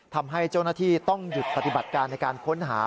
ทำให้เจ้าหน้าที่ต้องหยุดปฏิบัติการในการค้นหา